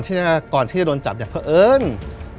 ที่จะโดนจับก็เอิ้ง